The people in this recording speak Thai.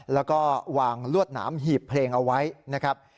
แล้วก็วางลวดหนามหีบเพลงเอาไว้นะครับ